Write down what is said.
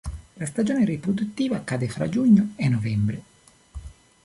La stagione riproduttiva cade fra giugno e novembre.